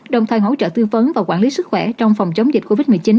đồng thời hỗ trợ tư vấn và quản lý sức khỏe trong phòng chống dịch covid một mươi chín